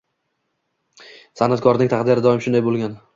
San’atkorning takdiri doim shunday bo‘lgan